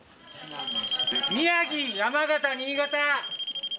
宮城、山形、新潟。